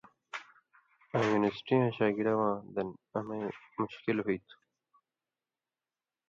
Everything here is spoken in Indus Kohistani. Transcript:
آں یونیورسٹیاں شاگِڑہ واں دَن امَیں مُشکل ہُوئ تھُو۔